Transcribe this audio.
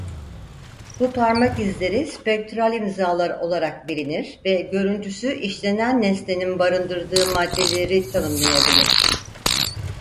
Bu parmak izleri spektral imzalar olarak bilinir ve görüntüsü işlenen nesnenin barındırdığı maddeleri tanımlayabilir.